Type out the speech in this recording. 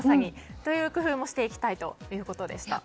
そういう工夫もしていきたいということでした。